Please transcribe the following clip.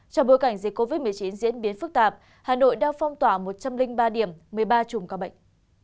trong bối cảnh dịch covid một mươi chín diễn biến phức tạp hà nội đang phong tỏa một trăm linh ba điểm một mươi ba chùm ca bệnh